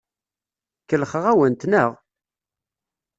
Kellxeɣ-awent, naɣ?